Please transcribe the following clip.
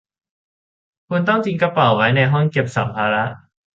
คุณต้องทิ้งกระเป๋าไว้ในห้องเก็บสัมภาระ